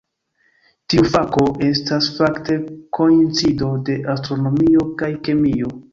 Tiu fako estas fakte koincido de astronomio kaj kemio.